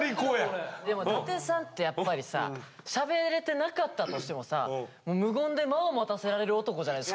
でも舘さんってやっぱりさしゃべれてなかったとしてもさ無言で間をもたせられる男じゃないですか。